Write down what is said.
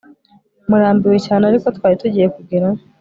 murambiwe cyane ariko twari tugiye kugerayo